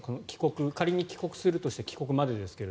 仮に帰国するとして帰国までですが。